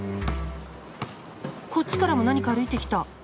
こっちからも何か歩いてきた！